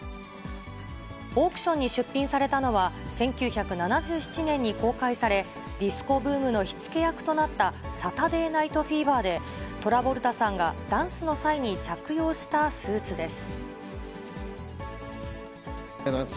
オークションに出品されたのは、１９７７年に公開され、ディスコブームの火付け役となったサタデー・ナイト・フィーバーで、トラボルタさんがダンスの際に着用したスーツです。